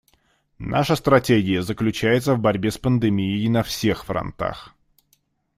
Наша стратегия заключается в борьбе с пандемией на всех фронтах.